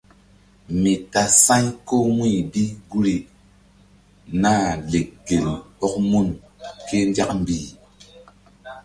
Mi tasa̧y ko wu̧y bi guri Nah lek gel ɔk mun ké nzak mbih.